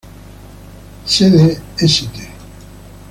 Sede St.